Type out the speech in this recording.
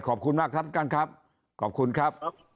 ขอบคุณมากครับท่านครับขอบคุณครับ